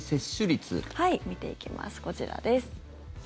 見ていきます、こちら。